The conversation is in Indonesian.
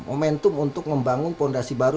momentum untuk membangun fondasi baru